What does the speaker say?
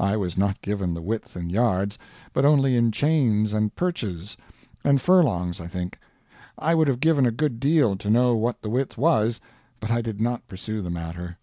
I was not given the width in yards, but only in chains and perches and furlongs, I think. I would have given a good deal to know what the width was, but I did not pursue the matter.